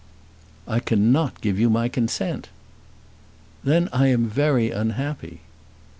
"I cannot give you my consent." "Then I am very unhappy."